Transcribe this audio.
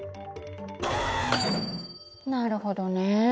なるほどね。